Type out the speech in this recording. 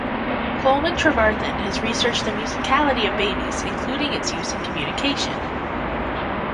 Colwyn Trevarthen has researched the musicality of babies, including its use in communication.